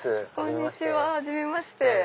こんにちははじめまして。